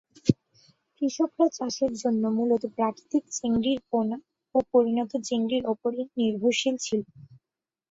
কৃষকরা চাষের জন্য মূলত প্রাকৃতিক চিংড়ির পোনা ও পরিণত চিংড়ির ওপরই নির্ভরশীল ছিল।